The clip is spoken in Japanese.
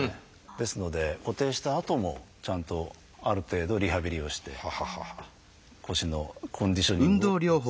ですので固定したあともちゃんとある程度リハビリをして腰のコンディショニングを良くする必要はあります。